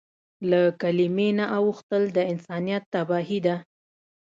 له کلیمې نه اوښتل د انسانیت تباهي ده.